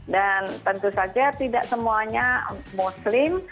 dan tentu saja tidak semuanya muslim